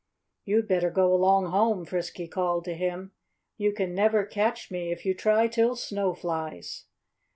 "You'd better go along home," Frisky called to him. "You can never catch me, if you try till snow flies."